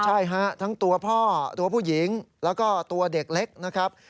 ใช่ฮะทั้งตัวพ่อตัวผู้หญิงแล้วก็ตัวเด็กเล็กนะครับ